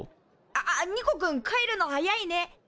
ああっニコくん帰るの早いね。